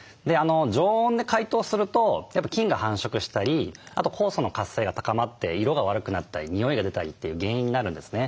常温で解凍するとやっぱ菌が繁殖したりあと酵素の活性が高まって色が悪くなったり臭いが出たりという原因になるんですね。